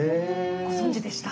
ご存じでした？